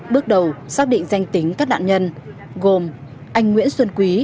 bước đầu xác định danh tính các nạn nhân gồm anh nguyễn xuân quý